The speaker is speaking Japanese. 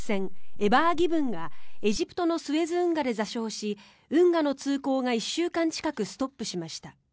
「エバーギブン」がエジプトのスエズ運河で座礁し運河の通航が１週間近くストップしました。